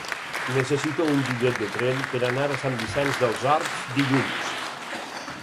Necessito un bitllet de tren per anar a Sant Vicenç dels Horts dilluns.